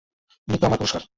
মৃত্যু আমার পুরস্কার।